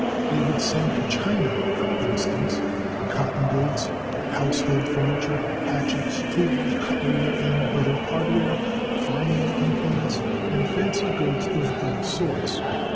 They would send to China, for instance, cotton goods, household furniture, hatchets, tools, cutlery and other hardware, farming implements, and fancy goods of all sorts.